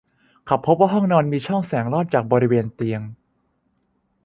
เขาพบว่าห้องนอนมีช่องแสงลอดจากบริเวณเตียง